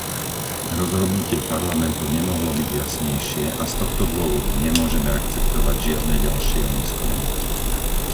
Rozhodnutie Parlamentu nemohlo byť jasnejšie a z tohto dôvodu nemôžeme akceptovať žiadne ďalšie oneskorenia.